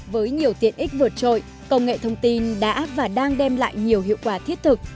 với nhiều tiện ích vượt trội công nghệ thông tin đã và đang đem lại nhiều hiệu quả thiết thực